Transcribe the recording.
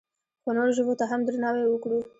خو نورو ژبو ته هم درناوی وکړو.